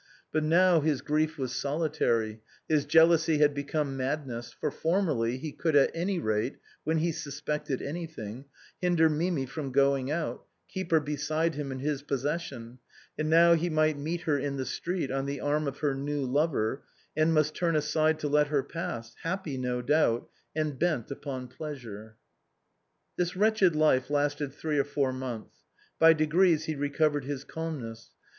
But now his grief was solitary, his jealousy had become madness, for formerly he could at any rate, when he sus pected anything, hinder Mimi from going out, keep her beside him in his possession, and now he might meet her in the street on the arm of her new lover, and must tun aside to let her pass, happy no doubt, and bent upon pleasure. This wretched life lasted three or four months. By de grees he recovered his calmness.